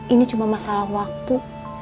ini cuma masalah waktu